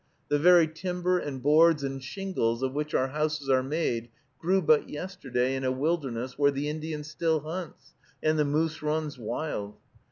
The very timber and boards and shingles of which our houses are made grew but yesterday in a wilderness where the Indian still hunts and the moose runs wild.